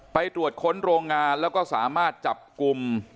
ตรวจค้นโรงงานแล้วก็สามารถจับกลุ่ม